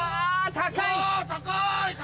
高い！